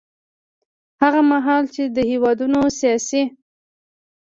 هغه مهال چې دې هېوادونو سیاسي